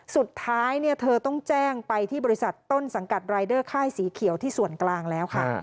สุดท้ายเธอต้องแจ้งไปที่บริษัทต้นสังกัดรายเดอร์ค่ายสีเขียวที่ส่วนกลางแล้วค่ะ